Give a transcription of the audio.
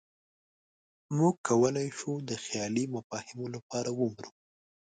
موږ کولی شو د خیالي مفاهیمو لپاره ومرو.